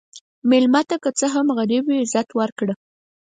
مېلمه ته که څه هم غریب وي، عزت ورکړه.